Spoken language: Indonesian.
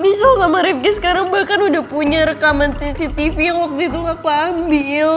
misal sama ripki sekarang bahkan udah punya rekaman cctv yang waktu itu aku ambil